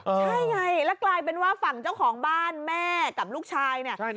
ใช่ไงแล้วกลายเป็นว่าฝั่งเจ้าของบ้านแม่กับลูกชายเนี่ย